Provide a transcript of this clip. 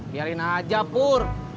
biarin aja pur